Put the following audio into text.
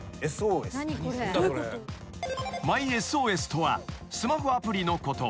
［ＭｙＳＯＳとはスマホアプリのこと］